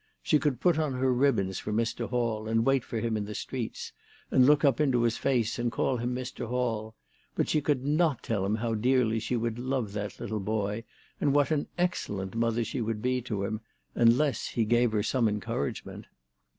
She could put on her ribbons for Mr. Hall, and wait for him in the street, and look up into his face, and call him Mr. Hall ; but she could not tell him how dearly she would love that little boy and what an excellent mother she would be to lum, unless he gave her some encouragement.